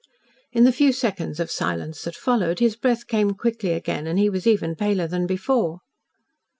In the few seconds of silence that followed, his breath came quickly again and he was even paler than before.